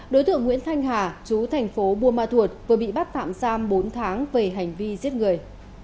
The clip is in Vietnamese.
đối tượng nguyễn thanh hà chú thành phố buôn ma thuột vừa bị bắt tạm giam bốn tháng về hành vi giết người